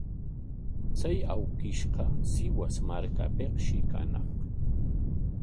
Chay awkishqa Sihuas markapikshi kañaq.